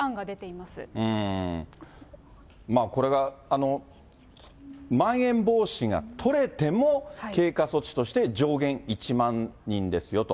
まあ、これが、まん延防止が取れても、経過措置として上限１万人ですよと。